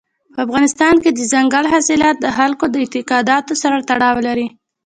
په افغانستان کې دځنګل حاصلات د خلکو د اعتقاداتو سره تړاو لري.